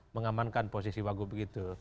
mengamankan posisi waguh begitu